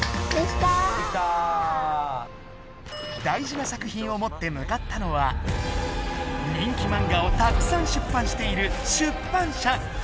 大事な作品を持ってむかったのは人気マンガをたくさん出版している出版社！